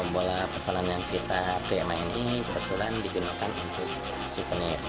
bola pesanan yang kita pria main ini kebetulan digunakan untuk suvenir